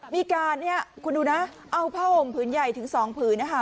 มีการคุณดูนะเอาผ้าห่มผืนใหญ่ถึง๒ผืนนะคะ